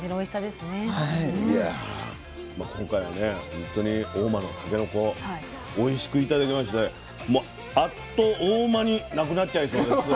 本当に合馬のたけのこおいしく頂きましてもう「あっと合馬」に無くなっちゃいそうです。